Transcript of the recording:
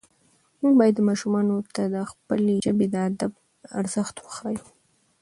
موږ باید ماشومانو ته د خپلې ژبې د ادب ارزښت وښیو